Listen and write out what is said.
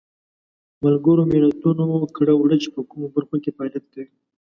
ملګرو ملتونو کړه وړه چې په کومو برخو کې فعالیت کوي.